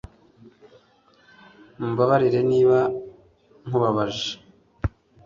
Mumbabarire niba nkubabaje